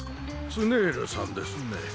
ツネールさんですね。